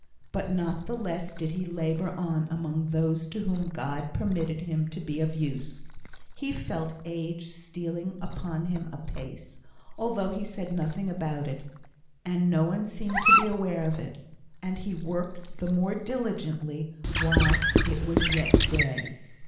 But not the less did he labour on among those to whom God permitted him to be of use. He felt age stealing upon him apace, although he said nothing about it, and no one seemed to be aware of it; and he worked the more diligently while "it was yet day."